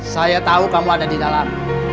saya tahu kamu ada di dalam